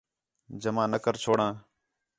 جمع نہ کر چھوڑاں